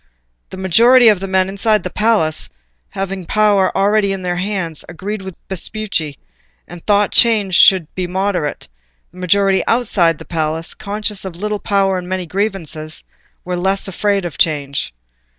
The majority of the men inside the palace, having power already in their hands, agreed with Vespucci, and thought change should be moderate; the majority outside the palace, conscious of little power and many grievances, were less afraid of change.